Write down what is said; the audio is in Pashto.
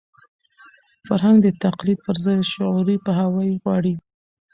فرهنګ د تقلید پر ځای شعوري پوهاوی غواړي.